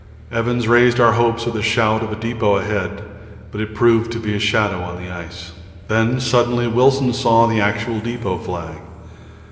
Evans raised our hopes with a shout of depot ahead, but it proved to be a shadow on the ice. Then suddenly Wilson saw the actual depot flag.